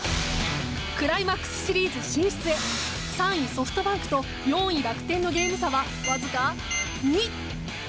クライマックスシリーズ進出へ３位、ソフトバンクと４位、楽天のゲーム差はわずか２。